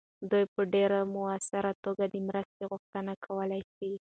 دوی په ډیر مؤثره توګه د مرستې غوښتنه کولی سي.